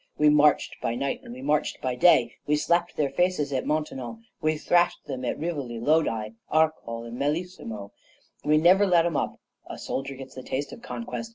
We marched by night, and we marched by day; we slapped their faces at Montenotte, we thrashed them at Rivoli, Lodi, Arcole, Millesimo, and we never let 'em up. A soldier gets the taste of conquest.